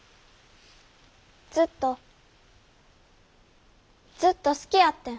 ずっとずっと好きやってん。